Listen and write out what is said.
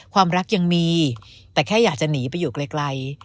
ความรักยังมีแต่แค่อยากจะหนีไปอยู่ไกล